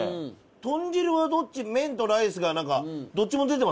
豚汁はどっち麺とライスがなんかどっちも出てませんでした？